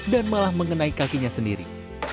dan malah mengenai kakinya sendiri